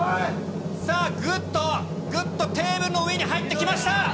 さあ、ぐっと、ぐっとテーブルの上に入ってきました。